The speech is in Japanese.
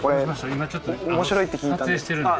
今ちょっと撮影してるんで。